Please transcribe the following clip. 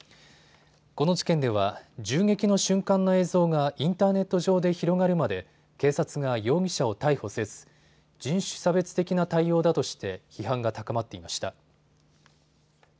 この事件では銃撃の瞬間の映像がインターネット上で広がるまで警察が容疑者を逮捕せず人種差別的な対応だとして批判が高まっていました。